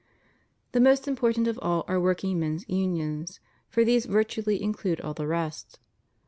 The most important of all are workingmen's unions; for these virtually include all the rest.